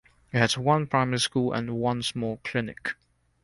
It has one primary school and one small clinic.